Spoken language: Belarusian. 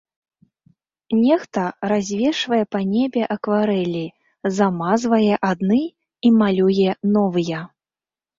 Нехта развешвае па небе акварэлі, замазвае адны і малюе новыя.